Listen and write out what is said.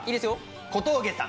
小峠さん！